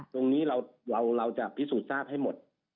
ตรงนี้เราจะพิสูจน์ทราบให้หมด